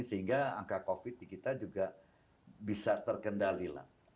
sehingga angka covid di kita juga bisa terkendali lah